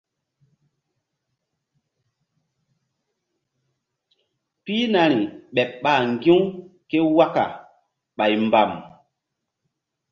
Pihnari ɓeɓ ɓah ŋgi̧-u ké waka ɓay mbam.